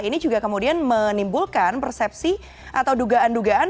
ini juga kemudian menimbulkan persepsi atau dugaan dugaan